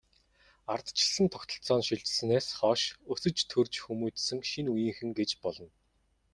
Ардчилсан тогтолцоонд шилжсэнээс хойш өсөж, төрж хүмүүжсэн шинэ үеийнхэн гэж болно.